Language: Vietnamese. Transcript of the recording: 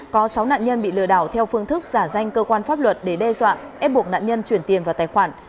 có sáu nạn nhân bị lừa đảo theo phương thức giả danh cơ quan pháp luật để đe dọa ép buộc nạn nhân chuyển tiền vào tài khoản